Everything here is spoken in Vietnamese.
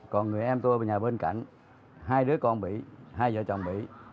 còn người em tôi và nhà bên cạnh hai đứa con bị hai vợ chồng bị